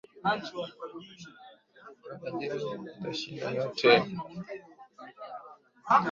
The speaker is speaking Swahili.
Nikiwa tajiri nitashinda yote.